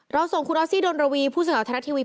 เราส่งคุณออสซี่ดนตรวีผู้สื่อข่าวธนาคต์ทีวี